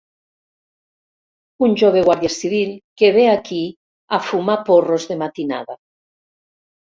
Un jove guàrdia civil que ve aquí a fumar porros de matinada.